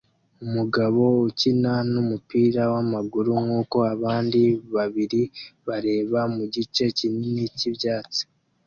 Umugabo ukina numupira wamaguru nkuko abandi babiri bareba mugice kinini cyibyatsi